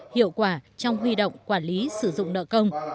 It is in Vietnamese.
hiệu quả trong huy động quản lý sử dụng nợ công